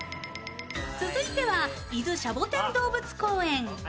続いては伊豆シャボテン動物公園。